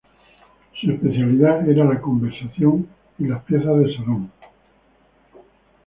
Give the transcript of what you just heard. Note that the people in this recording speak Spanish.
Su especialidad era la conversación y las piezas de salón.